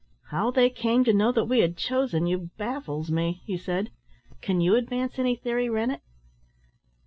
How they came to know that we had chosen you baffles me," he said. "Can you advance any theory, Rennett?"